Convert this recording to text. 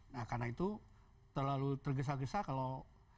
nah karena itu terlalu tergesa gesa kalau